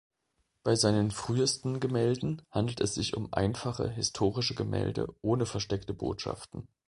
Bei seinen frühesten Gemälden handelt es sich um einfache historische Gemälde ohne versteckte Botschaften.